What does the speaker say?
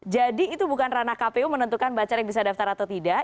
jadi itu bukan ranah kpu menentukan bacalik bisa daftar atau tidak